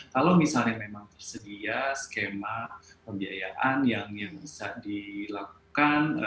kalau misalnya memang tersedia skema pembiayaan yang bisa dilakukan